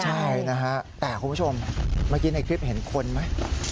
ใช่นะฮะแต่คุณผู้ชมเมื่อกี้ในคลิปเห็นคนไหม